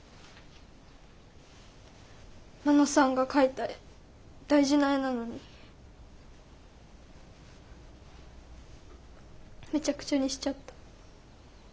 真野さんが描いた絵大事な絵なのにめちゃくちゃにしちゃった。